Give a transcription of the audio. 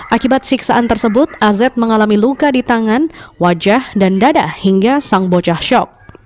akibat siksaan tersebut az mengalami luka di tangan wajah dan dada hingga sang bocah shock